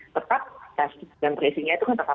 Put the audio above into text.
tetap pes dan berhasilnya itu kan tetap